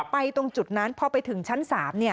ไปตรงจุดนั้นพอไปถึงชั้น๓เนี่ย